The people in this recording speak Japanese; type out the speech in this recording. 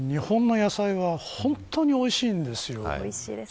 日本の野菜は本当においしいんですよ。